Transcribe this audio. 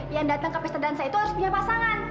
yang datang ke pesta dansa itu harus punya pasangan